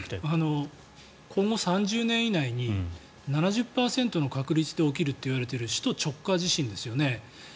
今後３０年以内に７０％の確率で起きるといわれている首都直下地震ですよね。